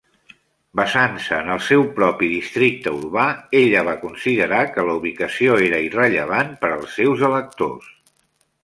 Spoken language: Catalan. Basant-se en el seu propi districte urbà, ella va considerar que la ubicació era irrellevant per als seus electors.